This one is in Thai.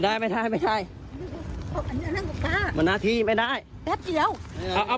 ต้องพอนะแค่ขึ้นเจ้าหน้าทีไม่ได้ไม่ได้